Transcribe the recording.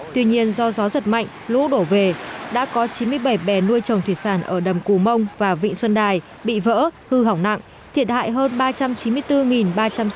tuy nhiên do gió giật mạnh lũ đổ về đã có chín mươi bảy bè nuôi trồng thủy sản ở đầm cù mông và vị xuân đàn